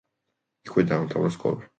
იქვე დაამთავრა სკოლა.